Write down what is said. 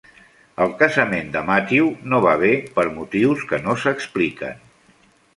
El casament de Matthew no va bé per motius que no s'expliquen.